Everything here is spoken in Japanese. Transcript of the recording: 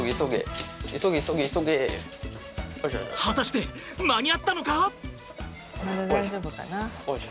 果たして間に合ったのか！？